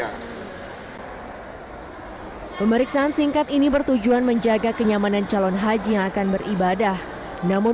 hai pemeriksaan singkat ini bertujuan menjaga kenyamanan calon haji akan beribadah namun